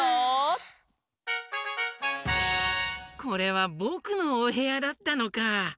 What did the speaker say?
これはぼくのおへやだったのか！